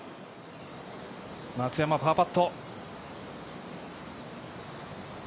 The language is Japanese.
松山、パーパット。